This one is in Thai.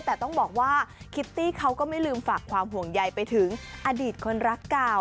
แต่ต้องบอกว่าคิตตี้เขาก็ไม่ลืมฝากความห่วงใยไปถึงอดีตคนรักเก่า